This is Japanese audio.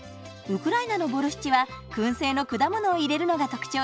ウクライナのボルシチは燻製の果物を入れるのが特徴です。